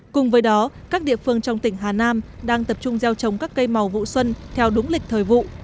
cùng với đó các địa phương trong tỉnh hà nam đang tập trung gieo trồng các cây màu vụ xuân theo đúng lịch thời vụ